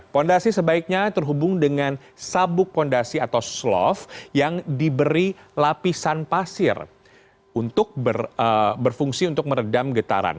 fondasi sebaiknya terhubung dengan sabuk fondasi atau slove yang diberi lapisan pasir untuk berfungsi untuk meredam getaran